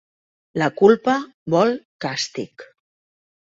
La culpa vol càstig.